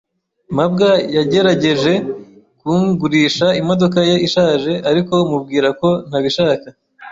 mabwa yagerageje kungurisha imodoka ye ishaje, ariko mubwira ko ntabishaka.